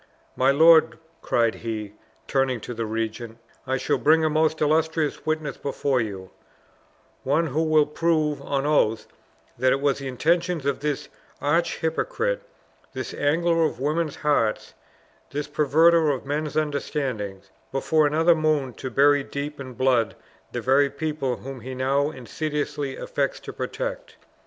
My lord," cried he, turning to the regent, "I shall bring a most illustrious witness before you; one who will prove on oath that it was the intention of this arch hypocrite, this angler for women's hearts, this perverter of men's understandings, before another moon to bury deep in blood the very people whom he now insidiously affects to protect!